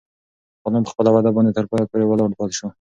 غلام په خپله وعده باندې تر پایه پورې ولاړ پاتې شو.